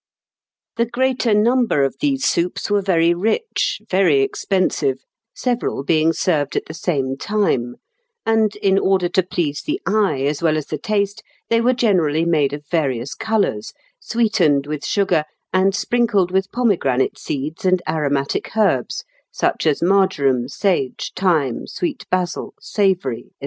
The greater number of these soups were very rich, very expensive, several being served at the same time; and in order to please the eye as well as the taste they were generally made of various colours, sweetened with sugar, and sprinkled with pomegranate seeds and aromatic herbs, such as marjoram, sage, thyme, sweet basil, savoury, &c.